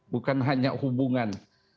bukan hanya hubungan